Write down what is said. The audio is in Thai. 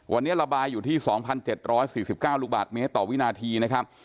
วันนี้ระบายอยู่ที่๒๗๔๙ลูกบาทเมตรต่อวินาทีนะครับ